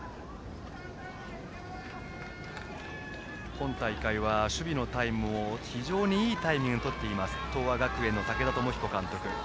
今大会は守備のタイムも非常にいいタイミングで取っています東亜学園の武田朝彦監督です。